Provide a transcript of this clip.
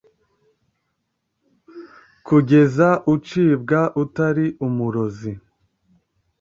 Kugeza ucibwa utari umurozi